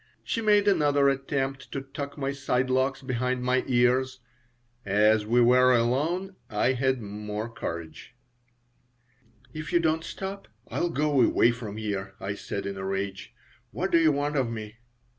She made another attempt to tuck my side locks behind my ears. As we were alone I had more courage "If you don't stop I'll go away from here," I said, in a rage. "What do you want of me?"